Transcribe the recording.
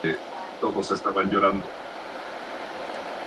Las aclamaciones siguieron y el prestigio de la banda estaba creciendo.